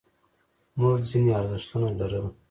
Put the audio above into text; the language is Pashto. موږ ځینې ارزښتونه لرل.